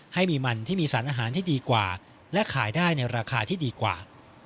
ให้มีมันที่มีสารอาหารที่ดีกว่าและขายได้ในราคาที่ดีกว่า